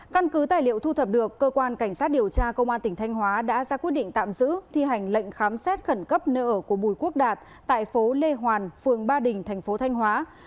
căn cứ tài liệu thu thập được cơ quan cảnh sát điều tra công an tỉnh thanh hóa đã ra quyết định tạm giữ thi hành lệnh khám xét khẩn cấp nơi ở của bùi quốc đạt tại phố lê hoàn phường ba đình thành phố thanh hóa